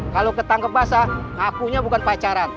kalau ketangkep basah ngakunya bukan pacaran